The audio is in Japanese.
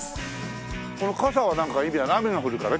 この傘はなんか意味は雨が降るから？